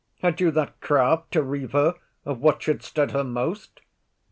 Had you that craft to 'reave her Of what should stead her most?